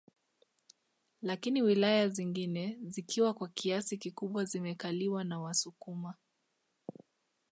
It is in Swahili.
Lakini wilaya zingine zikiwa kwa kiasi kikubwa zimekaliwa na wasukuma